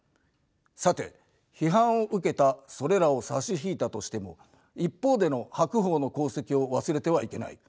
さて批判を受けたそれらを差し引いたとしても一方での白鵬の功績を忘れてはいけない。